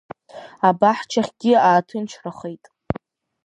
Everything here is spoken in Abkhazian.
Абаҳчахьгьы ааҭынчрахеит.